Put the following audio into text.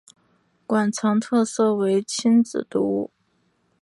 馆藏特色为亲子读物。